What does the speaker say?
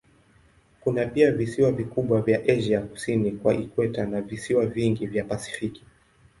Kuna pia visiwa vikubwa vya Asia kusini kwa ikweta na visiwa vingi vya Pasifiki.